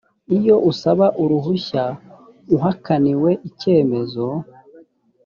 iyo usaba uruhushya ahakaniwe icyemezo